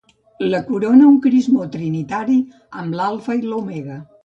La corona un crismó trinitari amb l'alfa i l'omega.